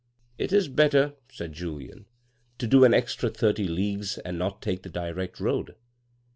" It is better," said Julien, " to do an extra thirty leagues and not take the direct road.